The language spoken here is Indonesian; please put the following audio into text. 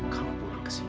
kamu pulang ke sini